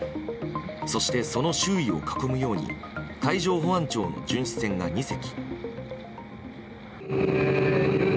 そして、その周囲を囲むように海上保安庁の巡視船が２隻。